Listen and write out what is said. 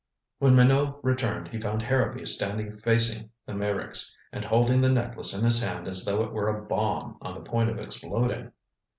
When Minot returned he found Harrowby standing facing the Meyricks, and holding the necklace in his hand as though it were a bomb on the point of exploding.